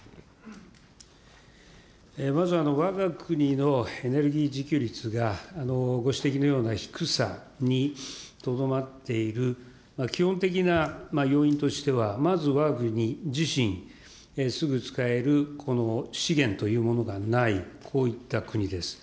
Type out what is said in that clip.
まず、わが国のエネルギー自給率が、ご指摘のような低さにとどまっている基本的な要因としては、まず、わが国自身、すぐ使える資源というものがない、こういった国です。